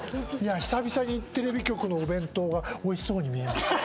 久々にテレビ局のお弁当がおいしそうに見えました。